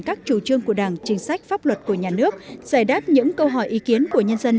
các chủ trương của đảng chính sách pháp luật của nhà nước giải đáp những câu hỏi ý kiến của nhân dân